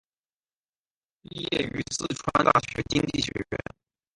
毕业于四川大学经济学院。